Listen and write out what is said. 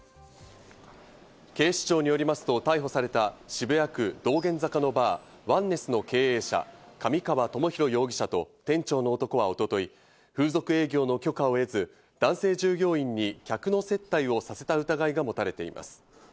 警視庁によりますと逮捕された渋谷区道玄坂のバー・Ｏｎｅｎｅｓｓの経営者、神川友宏容疑者と店長の男は一昨日、風俗営業の許可を得ず、男性従業員に客の接待をさせた疑いが持たれています。